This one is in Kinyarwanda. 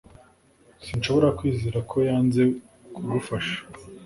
Sinshobora kwizera ko yanze kugufasha